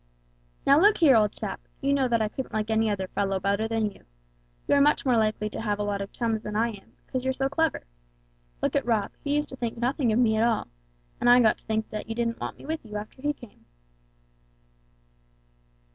"Now look here, old chap! You know that I couldn't like any other fellow better than you. You're much more likely to have a lot of chums than I am, because you're so clever. Look at Rob; he used to think nothing of me at all, and I got to think you didn't want me with you, after he came."